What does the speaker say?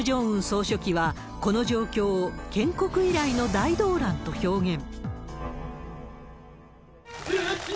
総書記は、この状況を建国以来の大動乱と表現。